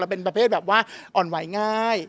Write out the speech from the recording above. เป็นประเภทแบบว่าอ่อนไหวง่าย